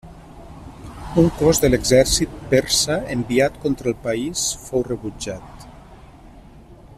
Un cos de l'exèrcit persa enviat contra el país, fou rebutjat.